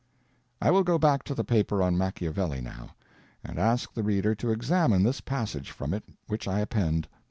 I will go back to the paper on Machiavelli now, and ask the reader to examine this passage from it which I append.